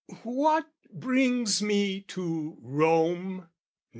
"What brings me to Rome?